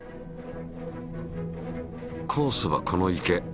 コースはこの池。